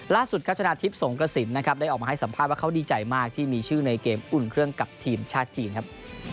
ครับชนะทิพย์สงกระสินนะครับได้ออกมาให้สัมภาษณ์ว่าเขาดีใจมากที่มีชื่อในเกมอุ่นเครื่องกับทีมชาติจีนครับ